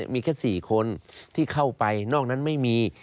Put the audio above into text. มีแค่๔คนที่เข้าไปนอกนั้นไม่มี